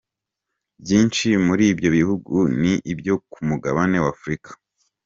Byinshi muri ibyo bihugu ni ibyo ku mugabane wa Afurika.